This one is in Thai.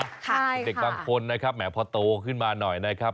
กลับมาเป็นเด็กบางคนแหมพอโตขึ้นมาหน่อยนะครับ